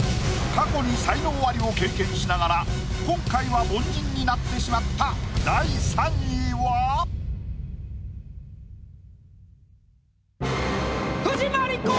過去に才能アリを経験しながら今回は凡人になってしまった第３位は⁉藤真利子！